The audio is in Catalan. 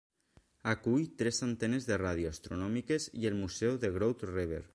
Acull tres antenes de radio astronòmiques i el museu de Grote Reber.